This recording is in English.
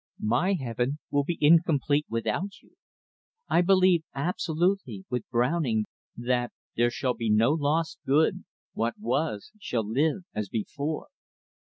My heaven will be incomplete without you. I believe absolutely with Browning, that "There shall be no lost good, What was, shall live as before!"